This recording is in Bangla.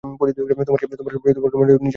তোমার কী মনে হয় নিজের লাইসেন্সের ব্যাপারে?